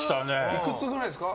いくつくらいですか？